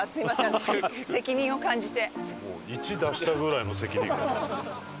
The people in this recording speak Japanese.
私責任を感じて。